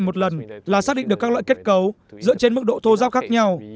một lần là xác định được các loại kết cấu dựa trên mức độ thô giao khác nhau